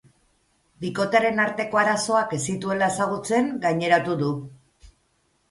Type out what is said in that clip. Bikotearen arteko arazoak ez zituela ezagutzen gaineratu du.